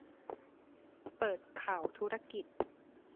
เปิดข่าวธุรกิจ